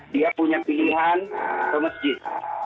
dia punya pilihan ke masjid